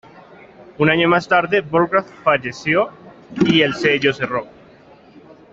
Un año más tarde, Bogart falleció y el sello cerró.